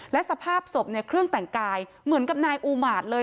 และสภาพศพเนี่ยเครื่องแต่งกายเหมือนกับนายอูมาตรเลย